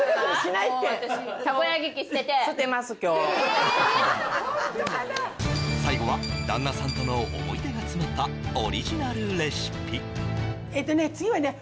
もう私えっ最後は旦那さんとの思い出が詰まったオリジナルレシピえっとね